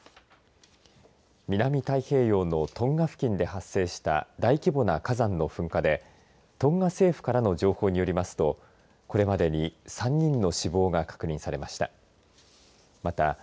南太平洋のトンガ付近で発生した大規模な火山の噴火でトンガ政府からの情報によりますとこれまでに３人の死亡が確認されました。